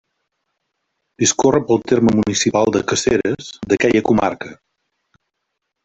Discorre pel terme municipal de Caseres, d'aquella comarca.